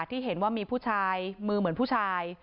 ที่เห็นว่ามีผู้ชายมือเหมือนผู้ชาย